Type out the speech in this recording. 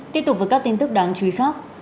tiếp tục với các tin tức đáng chú ý khác